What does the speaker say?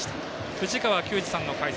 藤川球児さんの解説。